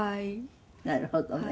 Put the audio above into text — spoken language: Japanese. なるほどね。